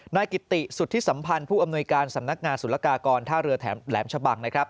นายกิติสุธิสัมพันธ์ผู้อำนวยการสำนักงานสุรกากรท่าเรือแหลมชะบังนะครับ